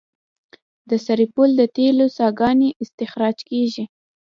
د سرپل د تیلو څاګانې استخراج کیږي